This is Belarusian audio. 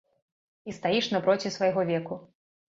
І стаіш напроці свайго веку.